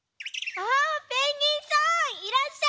あペンギンさんいらっしゃい！